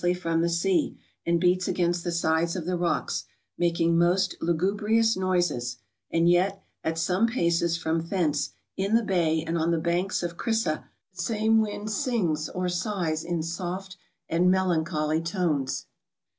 }^ from the sea, and beats against the sides of the rocks, making most lugu¬ brious noises; and yet, at some paces from thence, in the bay and on the banks of Crissa, the same wind sings or sighs in soft and melancholy tones.